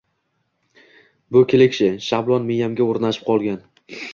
bu klishe, shablon miyamga o‘rnashib qolgan?